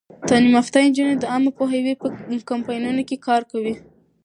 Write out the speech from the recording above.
تعلیم یافته نجونې د عامه پوهاوي په کمپاینونو کې کار کوي.